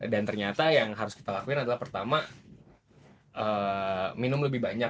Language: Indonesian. dan ternyata yang harus kita lakuin adalah pertama minum lebih banyak